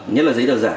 nhất là giấy tờ giả